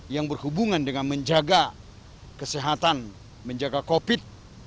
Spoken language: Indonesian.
yang berhubungan dengan menjaga kesehatan menjaga covid sembilan belas